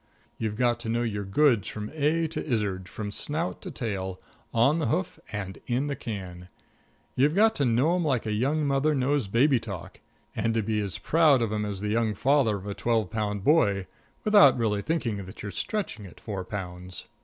You've got to know your goods from A to Izzard, from snout to tail, on the hoof and in the can. You've got to know 'em like a young mother knows baby talk, and to be as proud of 'em as the young father of a twelve pound boy, without really thinking that you're stretching it four pounds.